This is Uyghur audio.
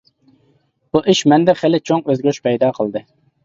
بۇ ئىش مەندە خېلى چوڭ ئۆزگىرىش پەيدا قىلدى.